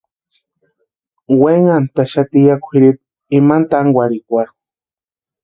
Wenhantʼaxati ya kwʼiripu ima tankurhikwarhu.